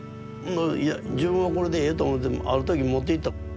いや自分はこれでええと思ってある時持っていった。